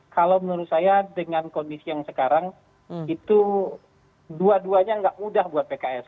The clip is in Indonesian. kalau menurut saya dengan kondisi yang sekarang itu dua duanya nggak mudah buat pks